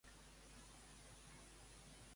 La família que tenim a Galícia és la millor.